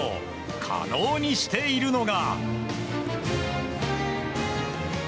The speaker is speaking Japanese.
可能にしているのが。